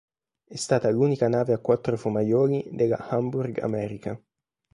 È stata l'unica nave a quattro fumaioli della Hamburg-Amerika.